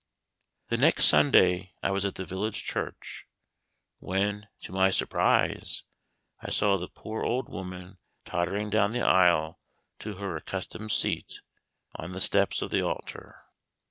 The next Sunday I was at the village church, when, to my surprise, I saw the poor old woman tottering down the aisle to her accustomed seat on the steps of the altar.